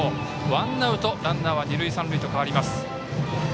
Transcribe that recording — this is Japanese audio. ワンアウト、ランナーは二塁三塁と変わります。